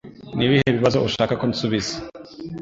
Ni ibihe bibazo ushaka ko nsubiza?